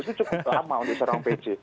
itu cukup lama untuk seorang pc